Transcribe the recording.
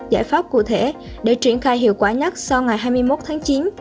giải pháp cụ thể để triển khai hiệu quả nhất sau ngày hai mươi một tháng chín